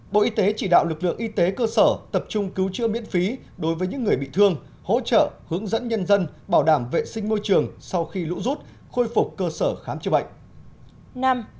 bộ y tế chỉ đạo lực lượng y tế cơ sở tập trung cứu chữa miễn phí đối với những người bị thương hỗ trợ hướng dẫn nhân dân bảo đảm vệ sinh môi trường sau khi lũ rút khôi phục cơ sở khám chữa bệnh